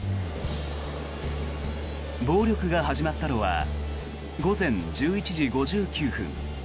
暴力が始まったのは午前１１時５９分。